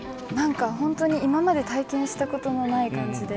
今まで体験したことない感じで。